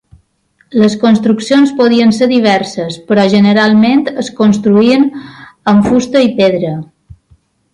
Les construccions podien ser diverses, però generalment es construïen amb fusta i pedra.